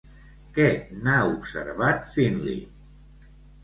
Què n'ha observat Finley?